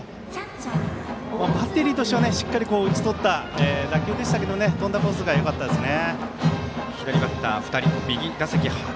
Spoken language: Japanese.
バッテリーとしてはしっかりと打ち取った打球でしたけどとんだコースがよかったですね。